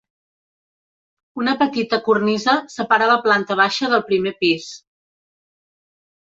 Una petita cornisa separa la planta baixa del primer pis.